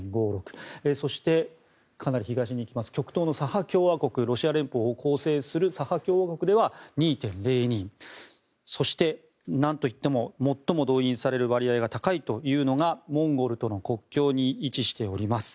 そして、かなり東に行きます極東のサハ共和国ロシア連邦を構成するサハ共和国では２．０２％そして、なんといっても最も動員される割合が高いのがモンゴルとの国境に位置しております